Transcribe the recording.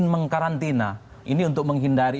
mengkarantina ini untuk menghindari